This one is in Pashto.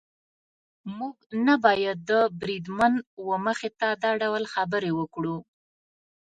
موږ نه باید د بریدمن وه مخې ته دا ډول خبرې وکړو.